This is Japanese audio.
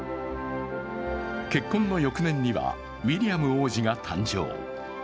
結婚の翌年には、ウィリアム王子が誕生。